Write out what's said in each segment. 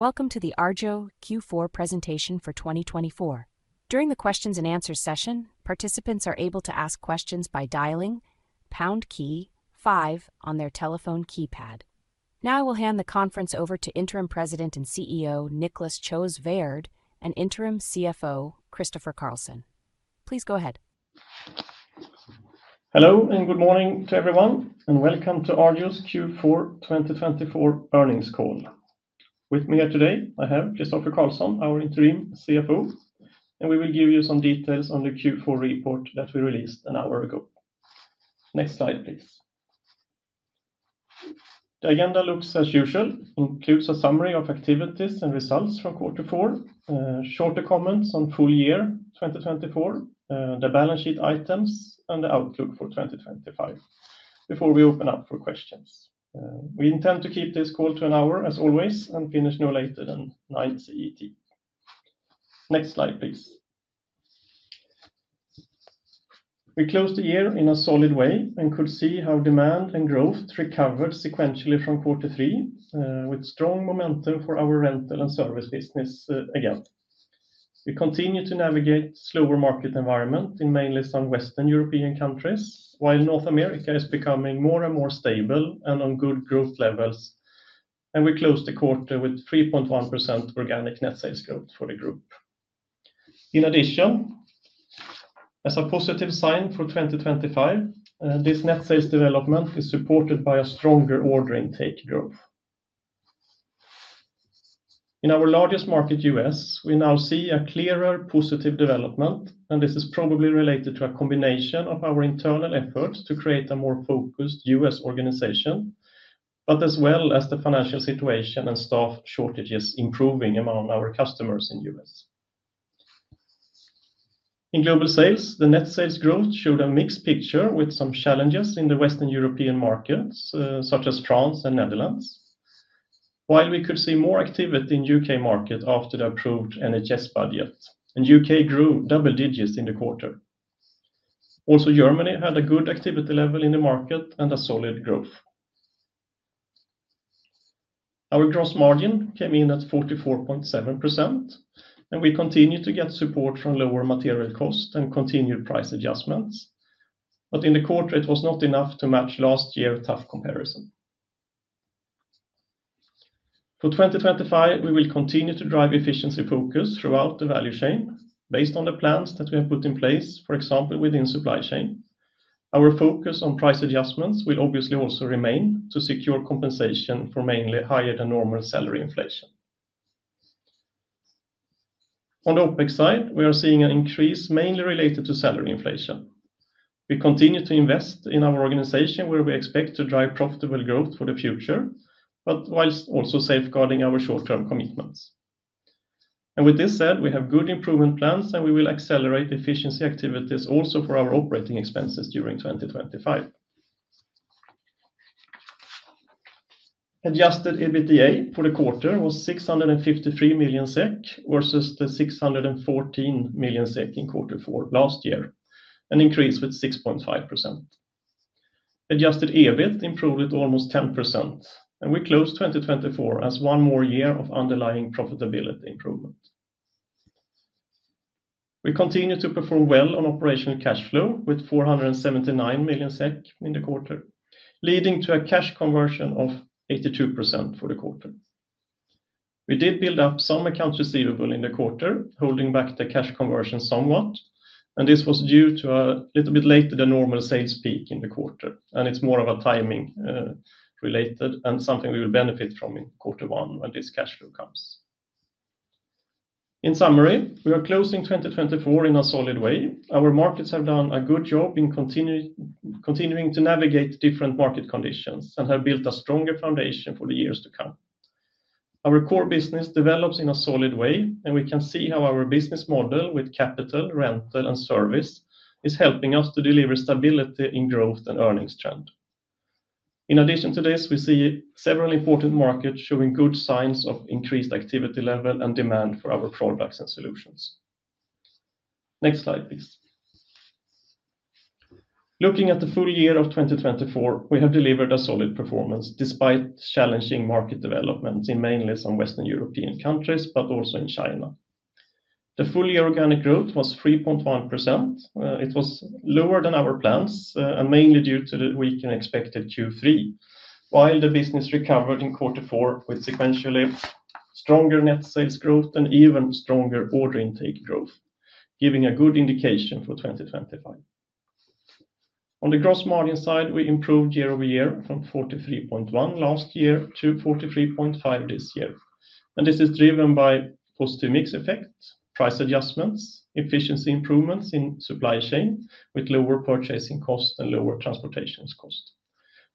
Welcome to the Arjo Q4 presentation for 2024. During the Q&A session, participants are able to ask questions by dialing pound key five on their telephone keypad. Now I will hand the conference over to Interim President and CEO Niclas Sjöswärd and Interim CFO Christofer Carlsson. Please go ahead. Hello and good morning to everyone, and welcome to Arjo's Q4 2024 earnings call. With me here today, I have Christofer Carlsson, our Interim CFO, and we will give you some details on the Q4 report that we released an hour ago. Next slide, please. The agenda looks as usual, includes a summary of activities and results from Q4, shorter comments on full year 2024, the balance sheet items, and the outlook for 2025. Before we open up for questions, we intend to keep this call to an hour, as always, and finish no later than 9:00 A.M. CET. Next slide, please. We closed the year in a solid way and could see how demand and growth recovered sequentially from Q3, with strong momentum for our rental and service business again. We continue to navigate a slower market environment in mainly some Western European countries, while North America is becoming more and more stable and on good growth levels, and we closed the quarter with 3.1% organic net sales growth for the group. In addition, as a positive sign for 2025, this net sales development is supported by a stronger order intake growth. In our largest market, U.S., we now see a clearer positive development, and this is probably related to a combination of our internal efforts to create a more focused U.S. organization, but as well as the financial situation and staff shortages improving among our customers in the U.S. In global sales, the net sales growth showed a mixed picture with some challenges in the Western European markets, such as France and Netherlands, while we could see more activity in the U.K. market after the approved NHS budget, and the U.K. grew double digits in the quarter. Also, Germany had a good activity level in the market and a solid growth. Our gross margin came in at 44.7%, and we continue to get support from lower material costs and continued price adjustments, but in the quarter, it was not enough to match last year's tough comparison. For 2025, we will continue to drive efficiency focus throughout the value chain based on the plans that we have put in place, for example, within the supply chain. Our focus on price adjustments will obviously also remain to secure compensation for mainly higher than normal salary inflation. On the OPEX side, we are seeing an increase mainly related to salary inflation. We continue to invest in our organization, where we expect to drive profitable growth for the future, but while also safeguarding our short-term commitments, and with this said, we have good improvement plans, and we will accelerate efficiency activities also for our operating expenses during 2025. Adjusted EBITDA for the quarter was 653 million SEK versus 614 million SEK in Q4 last year, an increase with 6.5%. Adjusted EBIT improved almost 10%, and we closed 2024 as one more year of underlying profitability improvement. We continue to perform well on operational cash flow with 479 million SEK in the quarter, leading to a cash conversion of 82% for the quarter. We did build up some accounts receivable in the quarter, holding back the cash conversion somewhat, and this was due to a little bit later than normal sales peak in the quarter, and it's more of a timing-related and something we will benefit from in Q1 when this cash flow comes. In summary, we are closing 2024 in a solid way. Our markets have done a good job in continuing to navigate different market conditions and have built a stronger foundation for the years to come. Our core business develops in a solid way, and we can see how our business model with capital, rental, and service is helping us to deliver stability in growth and earnings trend. In addition to this, we see several important markets showing good signs of increased activity level and demand for our products and solutions. Next slide, please. Looking at the full year of 2024, we have delivered a solid performance despite challenging market developments in mainly some Western European countries, but also in China. The full-year organic growth was 3.1%. It was lower than our plans and mainly due to the weaker than expected Q3, while the business recovered in Q4 with sequentially stronger net sales growth and even stronger order intake growth, giving a good indication for 2025. On the gross margin side, we improved year over year from 43.1% last year to 43.5% this year, and this is driven by positive mix effect, price adjustments, efficiency improvements in supply chain with lower purchasing costs and lower transportation costs,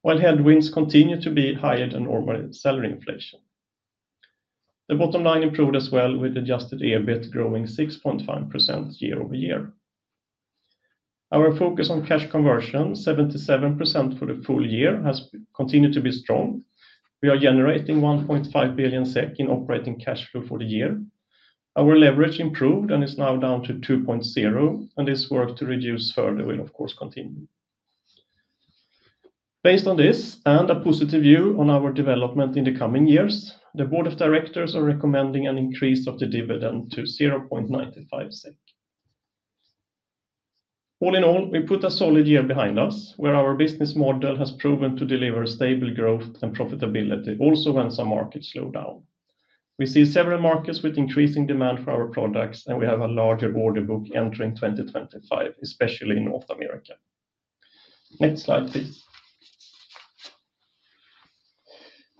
while headwinds continue to be higher than normal salary inflation. The bottom line improved as well with Adjusted EBIT growing 6.5% year over year. Our focus on cash conversion, 77% for the full year, has continued to be strong. We are generating 1.5 billion SEK in operating cash flow for the year. Our leverage improved and is now down to 2.0, and this work to reduce further will, of course, continue. Based on this and a positive view on our development in the coming years, the board of directors are recommending an increase of the dividend to 0.95 SEK. All in all, we put a solid year behind us where our business model has proven to deliver stable growth and profitability also when some markets slow down. We see several markets with increasing demand for our products, and we have a larger order book entering 2025, especially in North America. Next slide, please.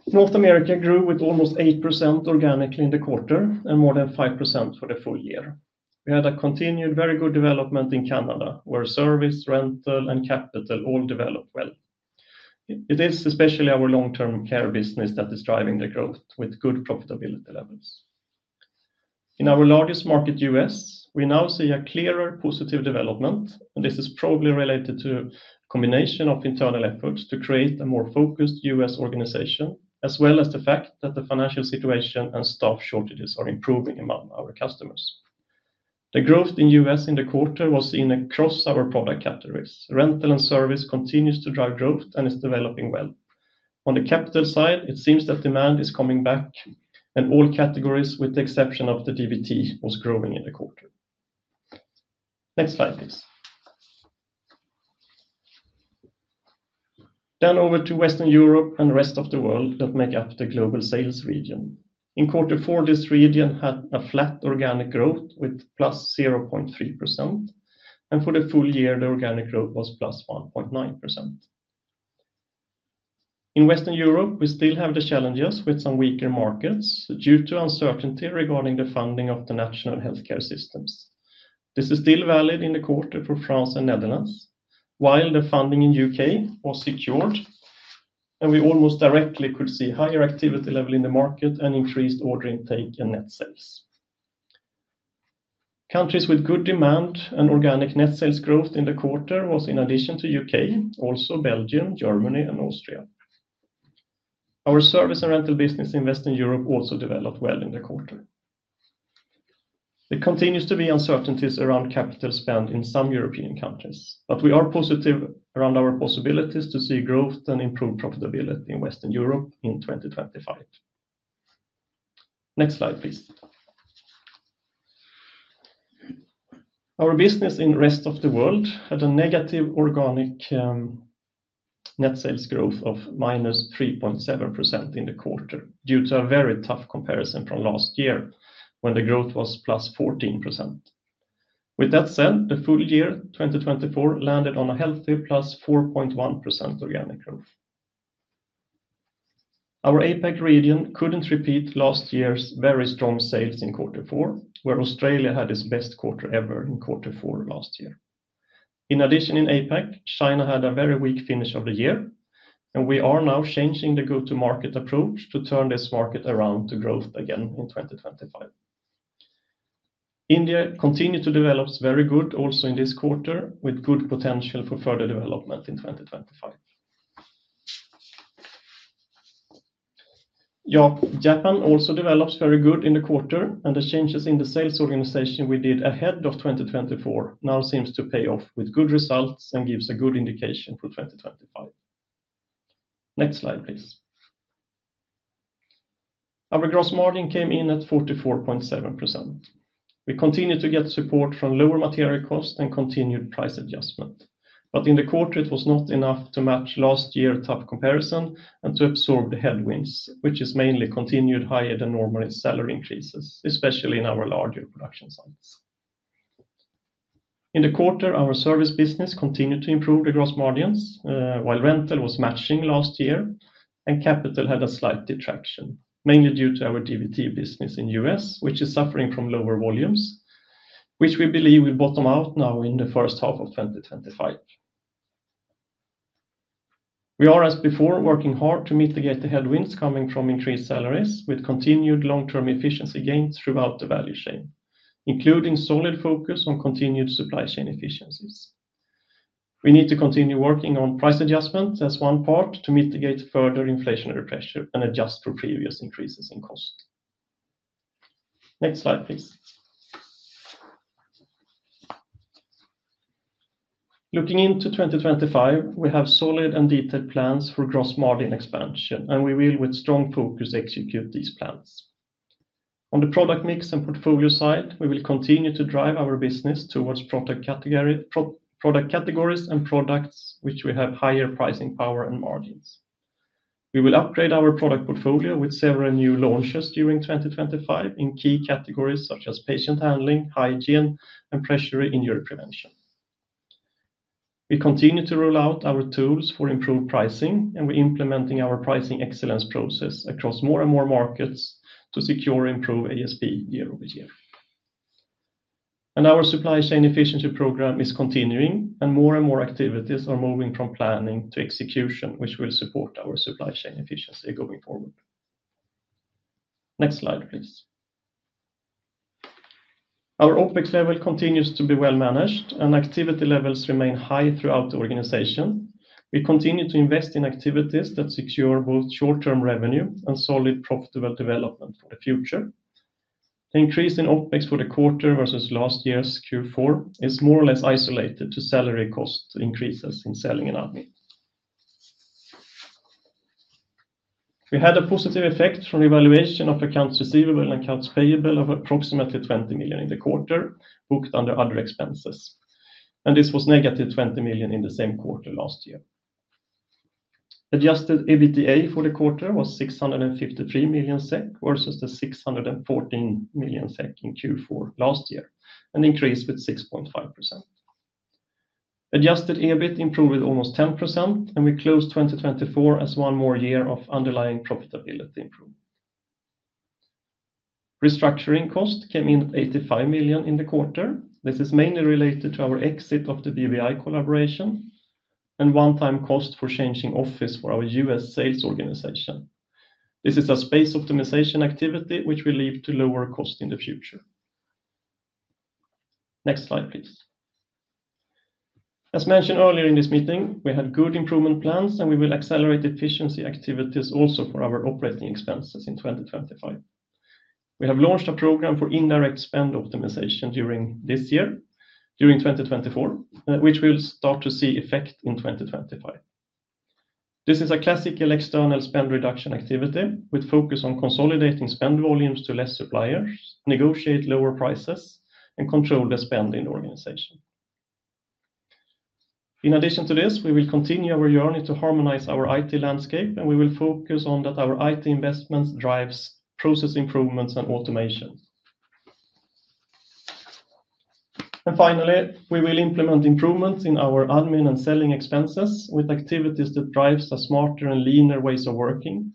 North America grew with almost 8% organically in the quarter and more than 5% for the full year. We had a continued very good development in Canada where service, rental, and capital all developed well. It is especially our long-term care business that is driving the growth with good profitability levels. In our largest market, U.S., we now see a clearer positive development, and this is probably related to a combination of internal efforts to create a more focused U.S. organization, as well as the fact that the financial situation and staff shortages are improving among our customers. The growth in U.S. in the quarter was seen across our product categories. Rental and service continues to drive growth and is developing well. On the capital side, it seems that demand is coming back, and all categories with the exception of the DVT was growing in the quarter. Next slide, please. Then over to Western Europe and the rest of the world that make up the global sales region. In Q4, this region had a flat organic growth with plus 0.3%, and for the full year, the organic growth was plus 1.9%. In Western Europe, we still have the challenges with some weaker markets due to uncertainty regarding the funding of the national healthcare systems. This is still valid in the quarter for France and Netherlands, while the funding in the UK was secured, and we almost directly could see higher activity level in the market and increased order intake and net sales. Countries with good demand and organic net sales growth in the quarter was, in addition to the UK, also Belgium, Germany, and Austria. Our service and rental business in Western Europe also developed well in the quarter. There continues to be uncertainties around capital spend in some European countries, but we are positive around our possibilities to see growth and improved profitability in Western Europe in 2025. Next slide, please. Our business in the rest of the world had a negative organic net sales growth of minus 3.7% in the quarter due to a very tough comparison from last year when the growth was plus 14%. With that said, the full year 2024 landed on a healthy plus 4.1% organic growth. Our APAC region couldn't repeat last year's very strong sales in Q4, where Australia had its best quarter ever in Q4 last year. In addition, in APAC, China had a very weak finish of the year, and we are now changing the go-to-market approach to turn this market around to growth again in 2025. India continued to develop very good also in this quarter with good potential for further development in 2025. Japan also developed very good in the quarter, and the changes in the sales organization we did ahead of 2024 now seem to pay off with good results and give a good indication for 2025. Next slide, please. Our gross margin came in at 44.7%. We continue to get support from lower material costs and continued price adjustment, but in the quarter, it was not enough to match last year's tough comparison and to absorb the headwinds, which is mainly continued higher than normal salary increases, especially in our larger production sites. In the quarter, our service business continued to improve the gross margins while rental was matching last year, and capital had a slight detraction, mainly due to our DVT business in the U.S., which is suffering from lower volumes, which we believe will bottom out now in the first half of 2025. We are, as before, working hard to mitigate the headwinds coming from increased salaries with continued long-term efficiency gains throughout the value chain, including solid focus on continued supply chain efficiencies. We need to continue working on price adjustments as one part to mitigate further inflationary pressure and adjust for previous increases in cost. Next slide, please. Looking into 2025, we have solid and detailed plans for gross margin expansion, and we will, with strong focus, execute these plans. On the product mix and portfolio side, we will continue to drive our business towards product categories and products which we have higher pricing power and margins. We will upgrade our product portfolio with several new launches during 2025 in key categories such as patient handling, hygiene, and pressure injury prevention. We continue to roll out our tools for improved pricing, and we are implementing our pricing excellence process across more and more markets to secure improved ASP year over year, and our supply chain efficiency program is continuing, and more and more activities are moving from planning to execution, which will support our supply chain efficiency going forward. Next slide, please. Our OPEX level continues to be well managed, and activity levels remain high throughout the organization. We continue to invest in activities that secure both short-term revenue and solid profitable development for the future. The increase in OPEX for the quarter versus last year's Q4 is more or less isolated to salary cost increases in selling and admin. We had a positive effect from evaluation of accounts receivable and accounts payable of approximately 20 million SEK in the quarter booked under other expenses, and this was negative 20 million SEK in the same quarter last year. Adjusted EBITDA for the quarter was 653 million SEK versus the 614 million SEK in Q4 last year, an increase with 6.5%. Adjusted EBIT improved almost 10%, and we closed 2024 as one more year of underlying profitability improvement. Restructuring cost came in at 85 million SEK in the quarter. This is mainly related to our exit of the BBI collaboration and one-time cost for changing office for our U.S. sales organization. This is a space optimization activity which will lead to lower cost in the future. Next slide, please. As mentioned earlier in this meeting, we had good improvement plans, and we will accelerate efficiency activities also for our operating expenses in 2025. We have launched a program for indirect spend optimization during this year, during 2024, which we will start to see effect in 2025. This is a classical external spend reduction activity with focus on consolidating spend volumes to less suppliers, negotiate lower prices, and control the spend in the organization. In addition to this, we will continue our journey to harmonize our IT landscape, and we will focus on that our IT investments drive process improvements and automation. And finally, we will implement improvements in our admin and selling expenses with activities that drive smarter and leaner ways of working,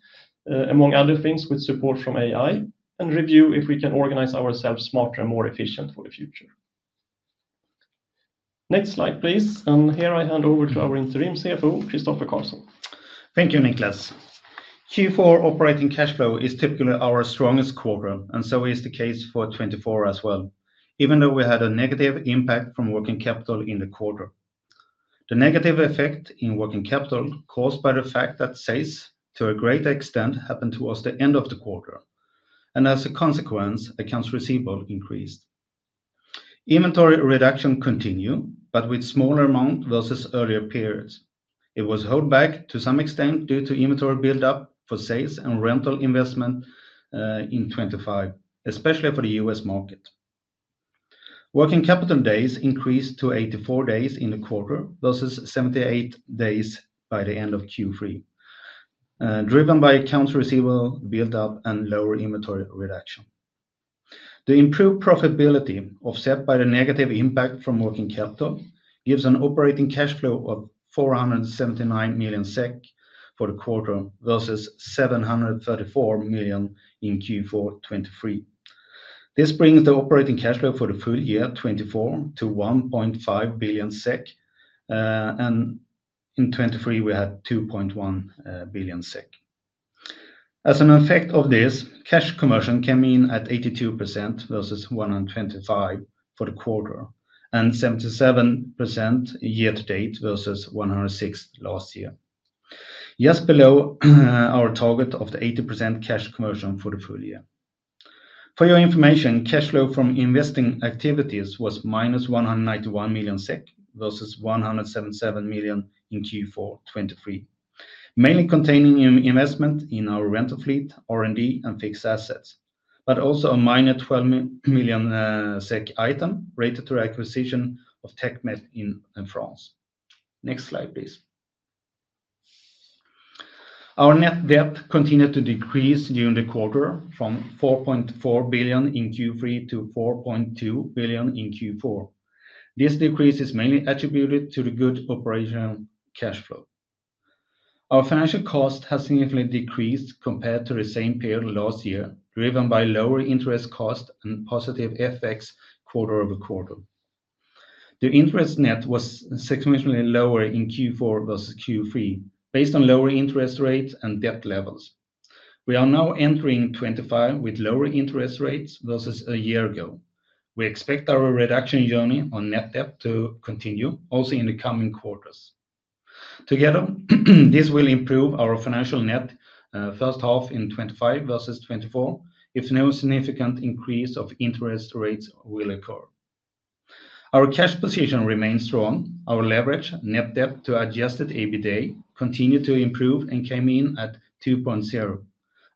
among other things with support from AI, and review if we can organize ourselves smarter and more efficient for the future. Next slide, please. Here I hand over to our Interim CFO, Christopher Carlson. Thank you, Niclas. Q4 operating cash flow is typically our strongest quarter, and so is the case for 2024 as well, even though we had a negative impact from working capital in the quarter. The negative effect in working capital caused by the fact that sales to a great extent happened towards the end of the quarter, and as a consequence, accounts receivable increased. Inventory reduction continued, but with smaller amount versus earlier periods. It was held back to some extent due to inventory build-up for sales and rental investment in 2025, especially for the U.S. market. Working capital days increased to 84 days in the quarter versus 78 days by the end of Q3, driven by accounts receivable build-up and lower inventory reduction. The improved profitability offset by the negative impact from working capital gives an operating cash flow of 479 million SEK for the quarter versus 734 million in Q4 2023. This brings the operating cash flow for the full year 2024 to 1.5 billion SEK, and in 2023, we had 2.1 billion SEK. As an effect of this, cash conversion came in at 82% versus 125% for the quarter and 77% year to date versus 106% last year. Just below our target of the 80% cash conversion for the full year. For your information, cash flow from investing activities was minus 191 million SEK versus 177 million in Q4 2023, mainly containing investment in our rental fleet, R&D, and fixed assets, but also a minus 12 million SEK item related to acquisition of Tech-Med in France. Next slide, please. Our net debt continued to decrease during the quarter from 4.4 billion in Q3 to 4.2 billion in Q4. This decrease is mainly attributed to the good operational cash flow. Our financial cost has significantly decreased compared to the same period last year, driven by lower interest cost and positive effects quarter over quarter. The interest net was significantly lower in Q4 versus Q3 based on lower interest rates and debt levels. We are now entering 2025 with lower interest rates versus a year ago. We expect our reduction journey on net debt to continue also in the coming quarters. Together, this will improve our financial net first half in 2025 versus 2024 if no significant increase of interest rates will occur. Our cash position remains strong. Our leverage net debt to adjusted EBITDA continued to improve and came in at 2.0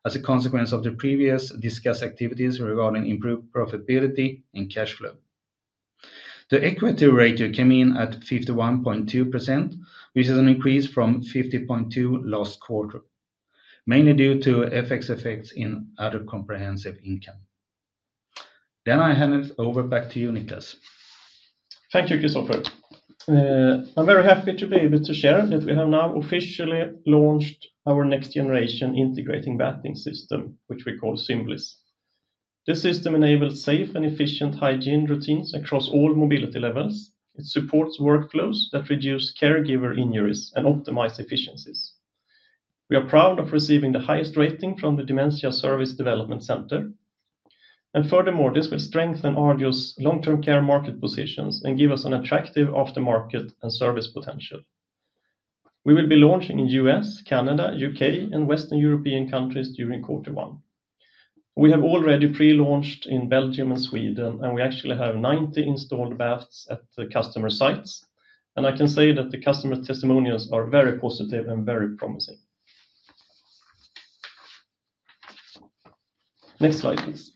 as a consequence of the previously discussed activities regarding improved profitability and cash flow. The equity ratio came in at 51.2%, which is an increase from 50.2% last quarter, mainly due to FX effects in other comprehensive income. Then I hand it over back to you, Niclas. Thank you, Christopher. I'm very happy to be able to share that we have now officially launched our next-generation integrated bathing system, which we call Symbiosis. This system enables safe and efficient hygiene routines across all mobility levels. It supports workflows that reduce caregiver injuries and optimize efficiencies. We are proud of receiving the highest rating from the Dementia Services Development Center. Furthermore, this will strengthen Arjo's long-term care market positions and give us an attractive aftermarket and service potential. We will be launching in the US, Canada, UK, and Western European countries during Q1. We have already pre-launched in Belgium and Sweden, and we actually have 90 installed baths at the customer sites. And I can say that the customer testimonials are very positive and very promising. Next slide, please.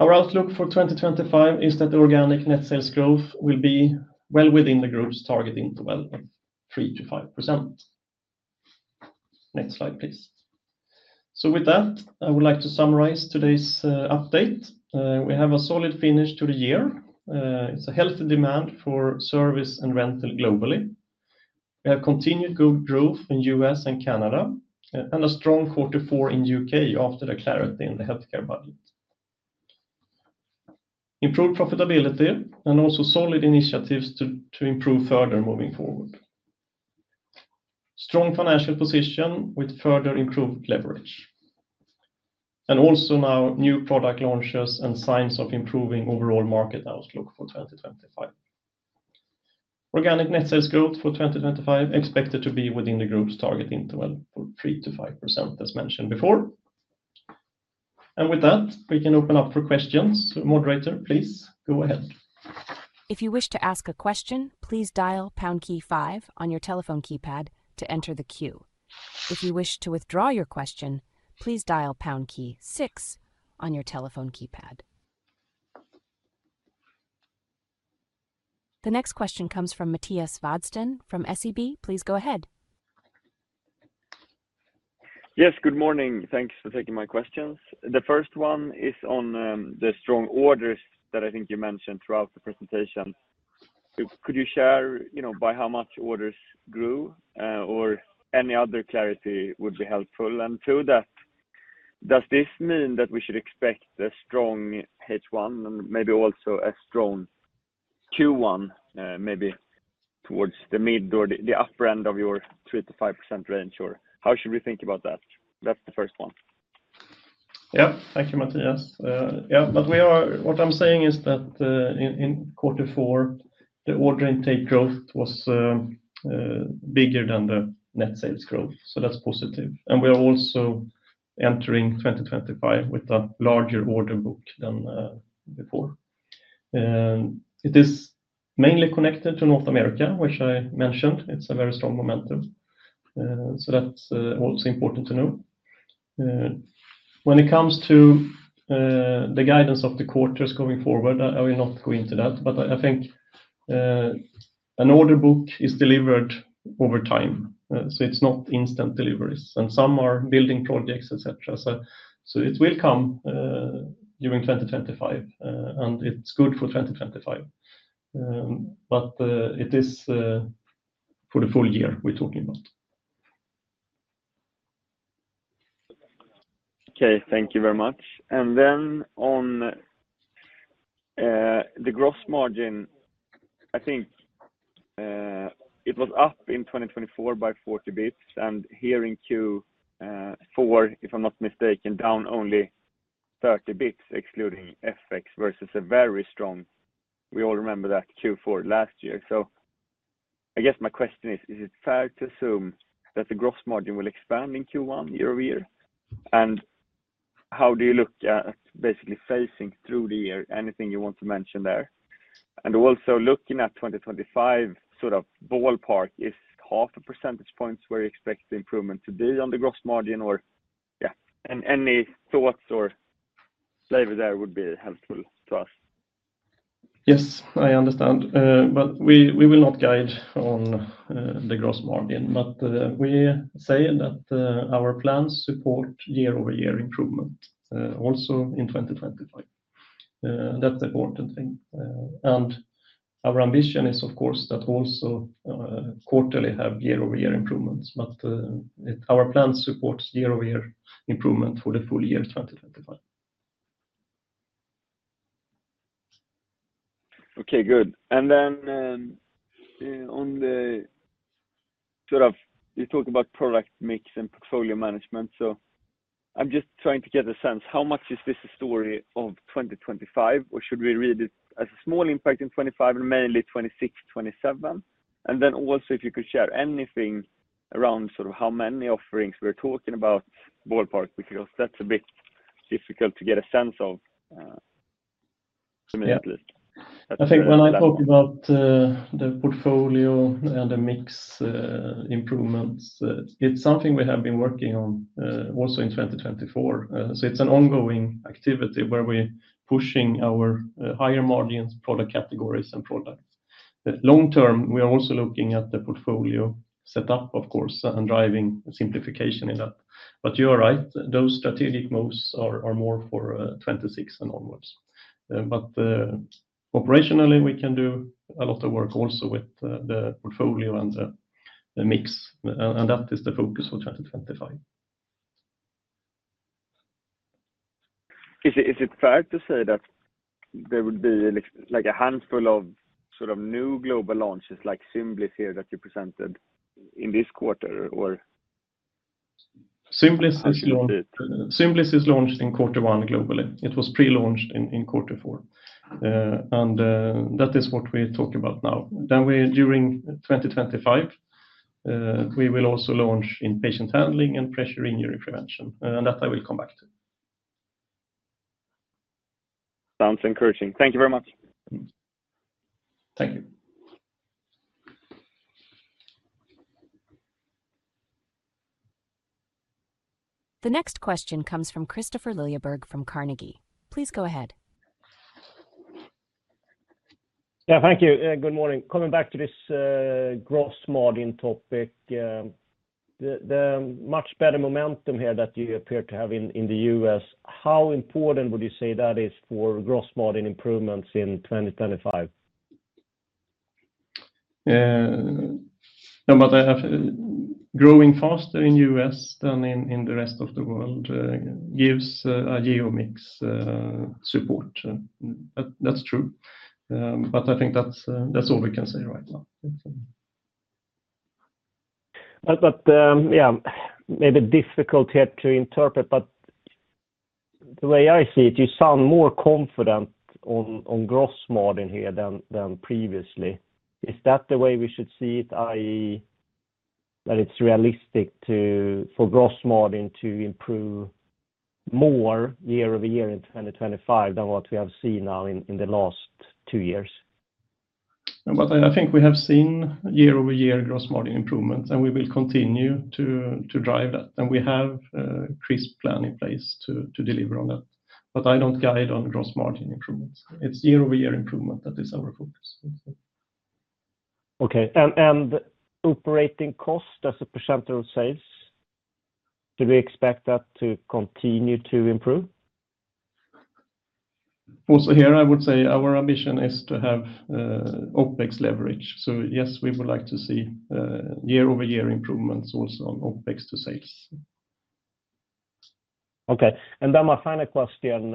Our outlook for 2025 is that the organic net sales growth will be well within the group's target interval of 3%-5%. Next slide, please. So with that, I would like to summarize today's update. We have a solid finish to the year. It's a healthy demand for service and rental globally. We have continued good growth in the US and Canada and a strong Q4 in the UK after the clarity in the healthcare budget. Improved profitability and also solid initiatives to improve further moving forward. Strong financial position with further improved leverage. And also now new product launches and signs of improving overall market outlook for 2025. Organic net sales growth for 2025 is expected to be within the group's target interval for 3%-5%, as mentioned before. And with that, we can open up for questions. Moderator, please go ahead. If you wish to ask a question, please dial pound key five on your telephone keypad to enter the queue. If you wish to withdraw your question, please dial pound key six on your telephone keypad. The next question comes from Mattias Vadsten from SEB. Please go ahead. Yes, good morning. Thanks for taking my questions. The first one is on the strong orders that I think you mentioned throughout the presentation. Could you share by how much orders grew, or any other clarity would be helpful? And to that, does this mean that we should expect a strong H1 and maybe also a strong Q1, maybe towards the mid or the upper end of your 3%-5% range, or how should we think about that? That's the first one. Yeah, thank you, Mattias. Yeah, but what I'm saying is that in Q4, the order intake growth was bigger than the net sales growth, so that's positive. And we are also entering 2025 with a larger order book than before. It is mainly connected to North America, which I mentioned. It's a very strong momentum. So that's also important to know. When it comes to the guidance of the quarters going forward, I will not go into that, but I think an order book is delivered over time, so it's not instant deliveries, and some are building projects, etc. So it will come during 2025, and it's good for 2025, but it is for the full year we're talking about. Okay, thank you very much. And then on the gross margin, I think it was up in 2024 by 40 basis points and here in Q4, if I'm not mistaken, down only 30 basis points, excluding FX versus a very strong, we all remember that, Q4 last year. So I guess my question is, is it fair to assume that the gross margin will expand in Q1 year over year? And how do you look at basically phasing through the year? Anything you want to mention there? And also looking at 2025, sort of ballpark, is half a percentage point where you expect the improvement to be on the gross margin, or yeah, any thoughts or flavor there would be helpful to us. Yes, I understand, but we will not guide on the gross margin, but we say that our plans support year-over-year improvement also in 2025. That's an important thing. And our ambition is, of course, that also quarterly have year-over-year improvements, but our plan supports year-over-year improvement for the full year 2025. Okay, good. And then on the sort of, you talk about product mix and portfolio management, so I'm just trying to get a sense. How much is this a story of 2025, or should we read it as a small impact in 25 and mainly 26, 27? And then also if you could share anything around sort of how many offerings we're talking about ballpark, because that's a bit difficult to get a sense of, to me at least. I think when I talk about the portfolio and the mix improvements, it's something we have been working on also in 2024, so it's an ongoing activity where we're pushing our higher margin product categories and products. Long term, we are also looking at the portfolio setup, of course, and driving simplification in that, but you're right, those strategic moves are more for 2026 and onwards. Operationally, we can do a lot of work also with the portfolio and the mix, and that is the focus for 2025. Is it fair to say that there would be like a handful of sort of new global launches like Symblys here that you presented in this quarter or? Symblys is launched in Q1 globally. It was pre-launched in Q4, and that is what we talk about now. Then during 2025, we will also launch in patient handling and pressure injury prevention, and that I will come back to. Sounds encouraging. Thank you very much. Thank you. The next question comes from Kristofer Liljeberg from Carnegie. Please go ahead. Yeah, thank you. Good morning. Coming back to this gross margin topic, the much better momentum here that you appear to have in the US, how important would you say that is for gross margin improvements in 2025? But growing faster in the US than in the rest of the world gives a geo mix support. That's true, but I think that's all we can say right now. But yeah, maybe difficult yet to interpret, but the way I see it, you sound more confident on gross margin here than previously. Is that the way we should see it, i.e., that it's realistic for gross margin to improve more year over year in 2025 than what we have seen now in the last two years? But I think we have seen year-over-year gross margin improvements, and we will continue to drive that. And we have a crisp plan in place to deliver on that. But I don't guide on gross margin improvements. It's year-over-year improvement that is our focus. Okay. And operating cost as a percentage of sales, do we expect that to continue to improve? Also here, I would say our ambition is to have OPEX leverage. So yes, we would like to see year-over-year improvements also on OPEX to sales. Okay. And then my final question.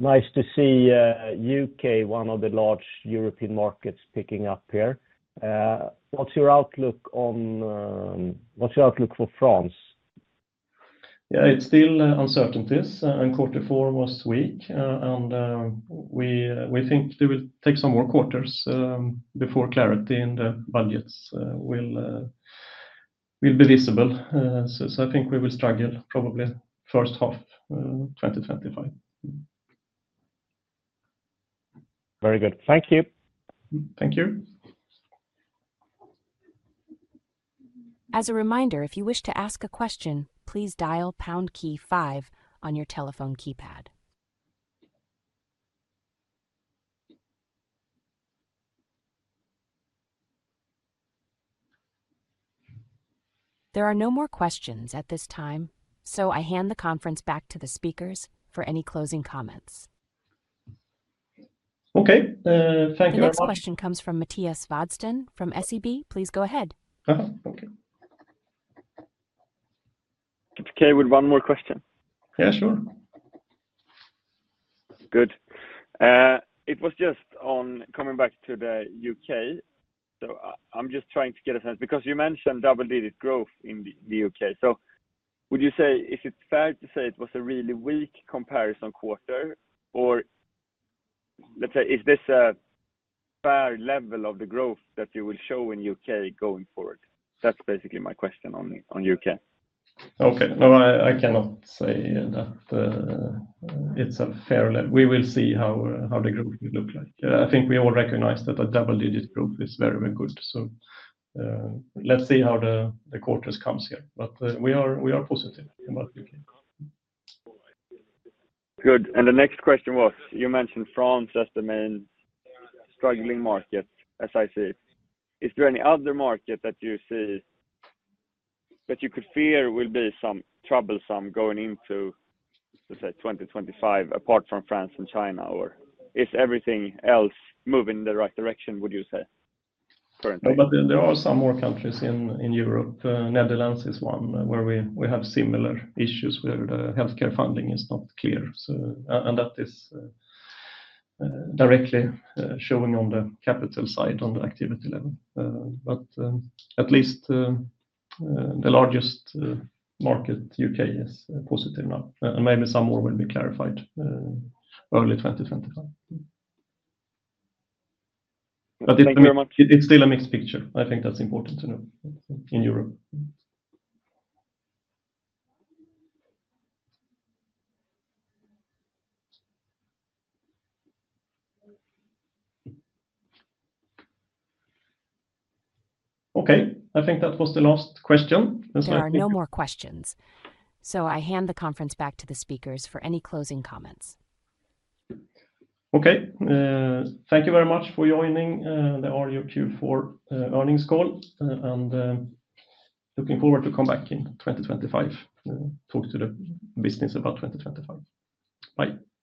Nice to see UK, one of the large European markets, picking up here. What's your outlook on what's your outlook for France? Yeah, it's still uncertainties. And Q4 was weak, and we think they will take some more quarters before clarity in the budgets will be visible. So I think we will struggle probably first half 2025. Very good. Thank you. Thank you. As a reminder, if you wish to ask a question, please dial pound key five on your telephone keypad. There are no more questions at this time, so I hand the conference back to the speakers for any closing comments. Okay. Thank you very much. The next question comes from Mattias Vadsten from SEB. Please go ahead. Okay. Okay, with one more question. Yeah, sure. Good. It was just on coming back to the UK, so I'm just trying to get a sense because you mentioned double-digit growth in the UK. So would you say, is it fair to say it was a really weak comparison quarter, or let's say, is this a fair level of the growth that you will show in the UK going forward? That's basically my question on UK. Okay. No, I cannot say that it's a fair level. We will see how the growth will look like. I think we all recognize that a double-digit growth is very, very good. So let's see how the quarters come here, but we are positive about UK. Good. And the next question was, you mentioned France as the main struggling market, as I see it. Is there any other market that you see that you could fear will be some troublesome going into, let's say, 2025, apart from France and China, or is everything else moving in the right direction, would you say, currently? But there are some more countries in Europe. Netherlands is one where we have similar issues where the healthcare funding is not clear. And that is directly showing on the capital side, on the activity level. But at least the largest market, UK, is positive now, and maybe some more will be clarified early 2025. But it's still a mixed picture. I think that's important to know in Europe. Okay. I think that was the last question. There are no more questions, so I hand the conference back to the speakers for any closing comments. Okay. Thank you very much for joining. There are your Q4 earnings call, and looking forward to come back in 2025, talk to the business about 2025. Bye.